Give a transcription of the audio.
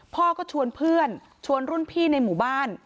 พ่อก็ชวนเพื่อนชวนรุ่นพี่ในหมู่บ้าน